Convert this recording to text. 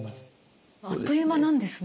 あっという間なんですね。